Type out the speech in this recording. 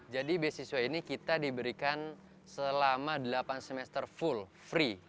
jadi beasiswa ini kita diberikan selama delapan semester full free